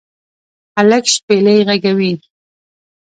هلک شپیلۍ ږغوي